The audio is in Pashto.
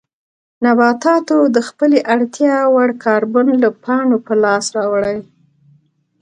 نباتاتو د خپلې اړتیا وړ کاربن له پاڼو په لاس راوړي.